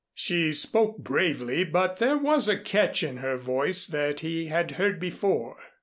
She spoke bravely, but there was a catch in her voice that he had heard before.